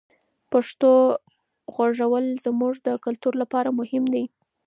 پښتو غږول زموږ د کلتور لپاره مهم دی.